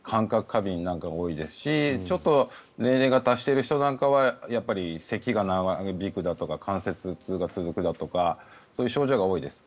過敏なんかが多いですしちょっと年齢が達している方なんかはせきが長引くだとか関節痛が続くだとかそういう症状が多いです。